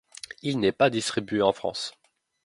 Il n'est pas distribué en France.